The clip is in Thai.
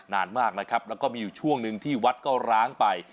นานมากนะครับแล้วก็มีอยู่ช่วงหนึ่งที่วัดก็ร้างไป